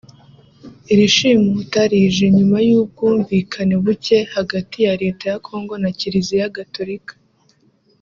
Iri shimuta rije nyuma y’ubwumvikane buke hagati ya Leta ya Congo na Kiliziya Gatolika